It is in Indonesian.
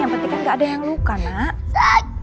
yang penting kan gak ada yang luka nak